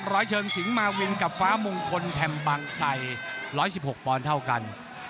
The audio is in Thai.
ร้อยเชิงสิงหมาวินกับฟ้ามงคลแพมบางไซ๑๑๖ปอนด์เท่ากัน